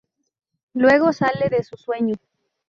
Luego sale de su sueño.